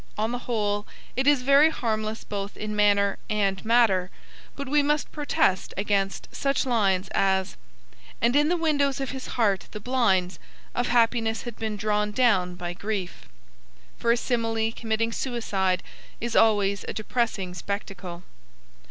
On the whole, it is very harmless both in manner and matter, but we must protest against such lines as And in the windows of his heart the blinds Of happiness had been drawn down by Grief, for a simile committing suicide is always a depressing spectacle.